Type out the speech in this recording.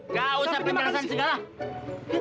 gak usah penjelasan segala